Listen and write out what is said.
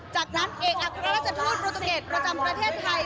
จากนั้นเอกอัครราชทูตโปรตูเกตประจำประเทศไทย